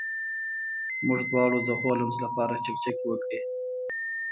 موږ دواړو د هولمز لپاره چکچکې وکړې.